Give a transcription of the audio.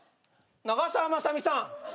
長澤まさみさん。